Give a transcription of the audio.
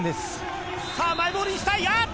マイボールにしたい。